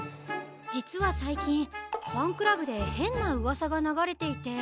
じつはさいきんファンクラブでへんなうわさがながれていて。